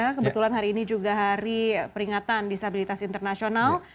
dimas prasetyo muharam dari peringatan disabilitas internasional